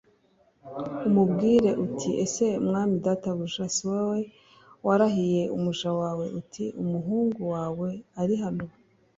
Umubwire uti ese mwami databuja si wowe warahiye umuja wawe uti umuhungu wawe ari hano